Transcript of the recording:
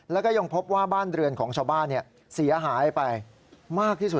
แล้วก็ยังพบว่าบ้านเรือนของชาวบ้านเสียหายไปมากที่สุด